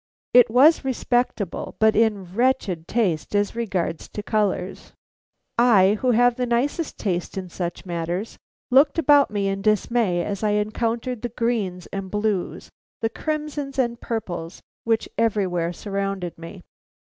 It was respectable, but in wretched taste as regards colors. I, who have the nicest taste in such matters, looked about me in dismay as I encountered the greens and blues, the crimsons and the purples which everywhere surrounded me.